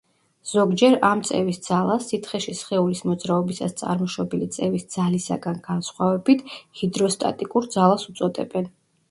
ზოგჯერ ამ წევის ძალას, სითხეში სხეულის მოძრაობისას წარმოშობილი წევის ძალისაგან განსხვავებით, ჰიდროსტატიკურ ძალას უწოდებენ.